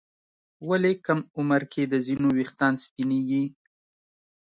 ولې کم عمر کې د ځینو ويښتان سپینېږي؟